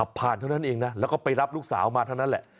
ผ่านเท่านั้นเองนะแล้วก็ไปรับลูกสาวมาเท่านั้นแหละ